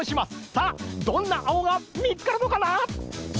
さあどんな青が見つかるのかな？